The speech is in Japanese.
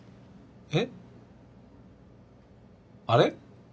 えっ？あれ？